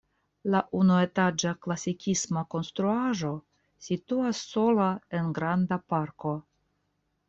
La unuetaĝa klasikisma konstruaĵo situas sola en granda parko.